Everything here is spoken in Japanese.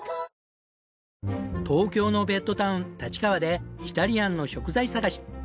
東京のベッドタウン立川でイタリアンの食材探し。